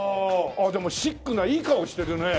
でもシックないい顔をしてるね。